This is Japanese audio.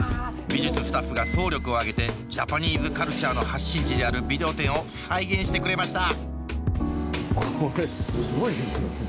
美術スタッフが総力を挙げてジャパニーズカルチャーの発信地であるビデオ店を再現してくれました